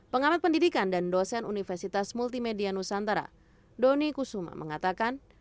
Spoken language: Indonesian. pengamat pendidikan dan dosen universitas multimedia nusantara doni kusuma mengatakan